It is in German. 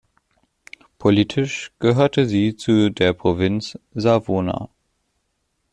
Politisch gehörte sie zu der Provinz Savona.